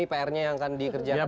pr nya yang akan dikerjakan